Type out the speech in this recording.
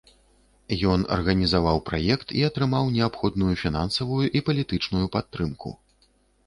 Ён арганізаваў праект і атрымаў неабходную фінансавую і палітычную падтрымку.